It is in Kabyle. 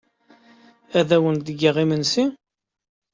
Ad awen-d-geɣ imensi?